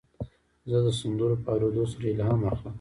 زه د سندرو په اورېدو سره الهام اخلم.